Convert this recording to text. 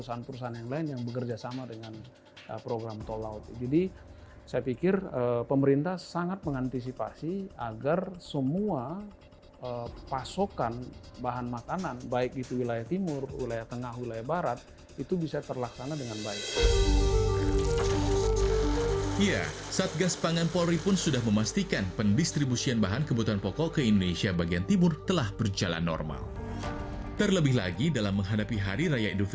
tanpa adanya kedisiplinan masyarakat untuk terus mematuhi peraturan dan kebijakan yang telah ditetapkan pemerintah